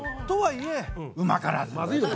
とはいえうまからず。